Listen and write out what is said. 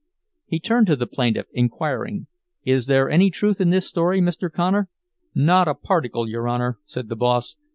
He turned to the plaintiff, inquiring, "Is there any truth in this story, Mr. Connor?" "Not a particle, your Honor," said the boss.